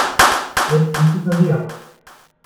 Jetzt liegt es an dir.